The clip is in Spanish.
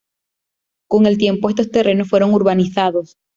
Con el tiempo estos terrenos fueron urbanizados.